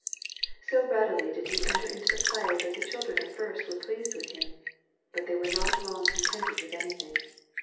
So readily did he enter into the play that the children at first were pleased with him. But they were not long contented with anything.